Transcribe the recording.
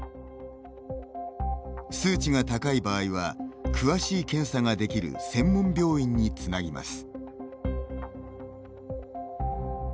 数値が高い場合は詳しい検査ができる専門病院につなぎます。